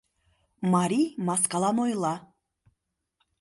Марий маскалан ойла: